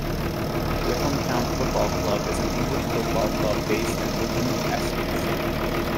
Witham Town Football Club is an English football club based in Witham, Essex.